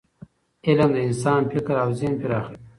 علم د انسان فکر او ذهن پراخوي.